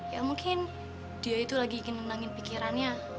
ya mungkin dia itu lagi ingin menangin pikirannya